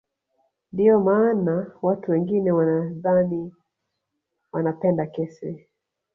Ndio maana watu wengine wanadhani wanapenda kesi